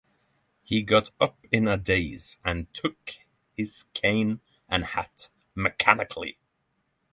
He got up in a daze and took his cane and hat mechanically.